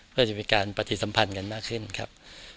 เพื่อจะมีการปฏิสัมพันธ์กันมากขึ้นครับ